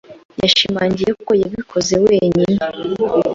Yashimangiye ko yabikoze wenyine.